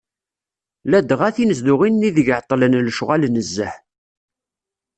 Ladɣa tinezduɣin n ideg εeṭṭlen lecɣal nezzeh.